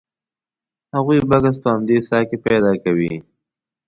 هغوی بکس په همدې څاه کې پیدا کوي.